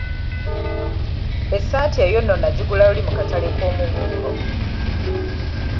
Essaati eyo nno nagigula luli mu katale k'omubuulo.